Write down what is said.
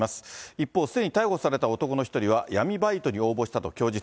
一方、すでに逮捕された男の１人は、闇バイトに応募したと供述。